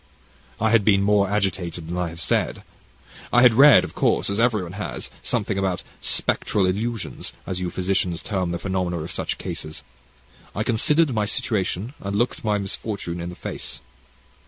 "I had been more agitated than I have said. I had read, of course, as everyone has, something about 'spectral illusions,' as you physicians term the phenomena of such cases. I considered my situation, and looked my misfortune in the face.